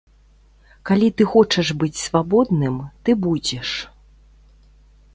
Калі ты хочаш быць свабодным, ты будзеш.